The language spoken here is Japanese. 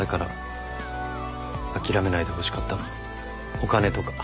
お金とか。